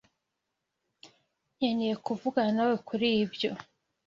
Nkeneye kuvugana nawe kuri ibyo.